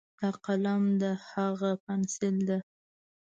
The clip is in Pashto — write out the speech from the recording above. دا قلم ده، هاغه پینسل ده.